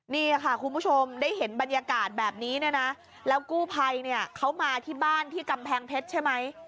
นี่ค่ะคุณผู้ชมได้เห็นบรรยากาศแบบนี้เนี่ยนะแล้วกู้ภัยเนี่ยเขามาที่บ้านที่กำแพงเพชรใช่ไหม